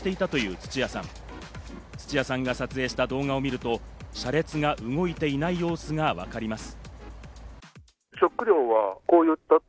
土屋さんが撮影した動画を見ると車列が動いていない様子がわかります。